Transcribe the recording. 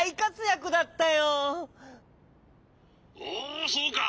おおそうか。